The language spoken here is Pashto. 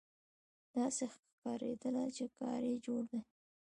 داسې ښکارېدله چې کار یې جوړ دی.